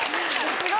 すごい！